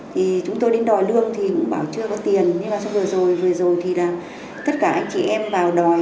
thì chúng tôi đến đòi lương thì cũng bảo chưa có tiền nhưng mà xong vừa rồi vừa rồi thì là tất cả anh chị em vào đòi